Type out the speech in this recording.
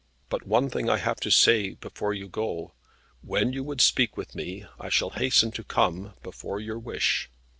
But one thing I have to say before you go. When you would speak with me I shall hasten to come before your wish.